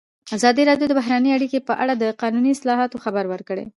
ازادي راډیو د بهرنۍ اړیکې په اړه د قانوني اصلاحاتو خبر ورکړی.